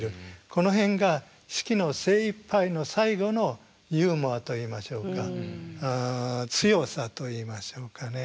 この辺が子規の精いっぱいの最後のユーモアといいましょうか強さといいましょうかね。